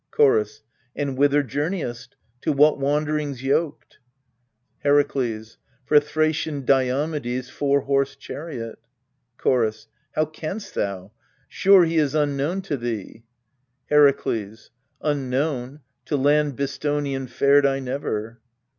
Chorus. And whither journeyest? To what wander ings yoked ? Herakles. For Thracian Diomedes' four horsed chariot. Chorus. How canst thou ? Sure he is unknown to thee ! Herakles. Unknown : to land Bistonian fared I never.